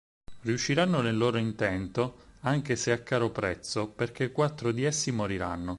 Riusciranno nel loro intento, anche se a caro prezzo, perché quattro di essi moriranno.